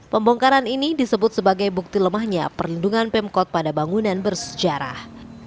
pembongkaran ini disebut sebagai bukti lemahnya perlindungan pemkot pada bangunan bersejarah